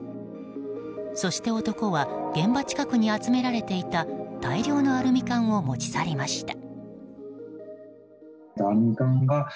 そして、男は現場近くに集められていた大量のアルミ缶を持ち去りました。